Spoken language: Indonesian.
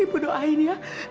ibu doain ya